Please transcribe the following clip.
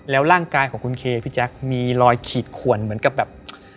ร่างกายของคุณเคพี่แจ๊คมีรอยขีดขวนเหมือนกับแบบ